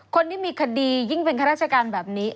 คนที่มีคดียิ่งเป็นข้าราชการแบบนี้